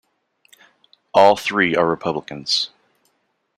All three are Republicans.